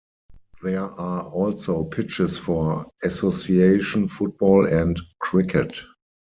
There are also pitches for Association Football and cricket.